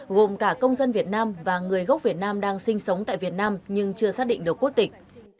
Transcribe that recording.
gồm cả công dân việt nam và người gốc việt nam đang sinh sống tại việt nam nhưng chưa xác định được quốc tịch